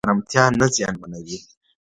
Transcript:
سم نیت آرامتیا نه زیانمنوي.